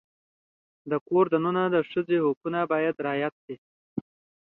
د کور دننه د ښځې حقونه باید رعایت شي.